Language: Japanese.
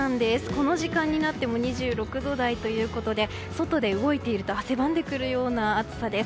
この時間になっても２６度台ということで外で動いていると汗ばんでくるような暑さです。